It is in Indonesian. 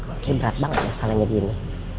oke berat banget ya salahnya dia ini